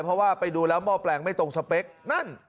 เพราะว่าไปดูแล้วหม้อแปลงไม่ตรงสเปคนั่น